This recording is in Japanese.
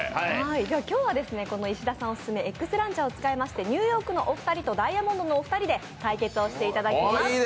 今日は石田さんオススメ、「Ｘランチャー」を使いましてニューヨークのお二人とダイヤモンドのお二人で対決をしていただきます。